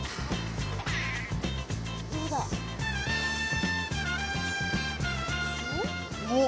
どうだ？おっ？